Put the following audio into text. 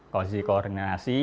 kalau di koordinasi